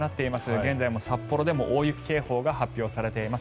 現在、札幌でも大雪警報が発表されています。